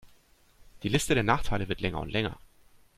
Die Liste der Nachteile wird länger und länger.